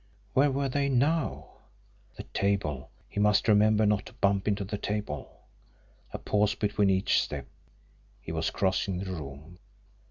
Where were they now? The table he must remember not to bump into the table! A pause between each step, he was crossing the room.